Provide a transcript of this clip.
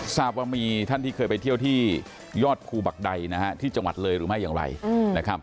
ทราบว่ามีท่านที่เคยไปเที่ยวที่ยอดภูบักใดนะฮะที่จังหวัดเลยหรือไม่อย่างไรนะครับ